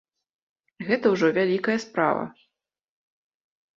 Гэта ўжо вялікая справа.